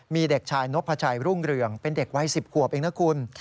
มีเด็กชายนพชัยรุ่งเรืองเป็นเด็กวัย๑๐ขวบเองนะคุณ